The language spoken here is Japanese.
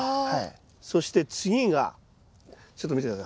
そして次がちょっと見てください。